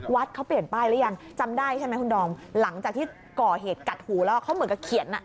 วัดเขาเปลี่ยนป้ายหรือยังจำได้ใช่ไหมคุณดอมหลังจากที่ก่อเหตุกัดหูแล้วเขาเหมือนกับเขียนอ่ะ